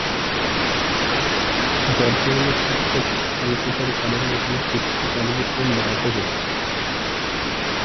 বর্তমানে শিক্ষক স্বল্পতার কারণে এখানে শিক্ষা কার্যক্রম ব্যহত হচ্ছে।